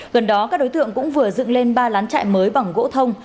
gần đó các đối tượng cũng vừa dựng lên ba lán chạy mới bằng gỗ thông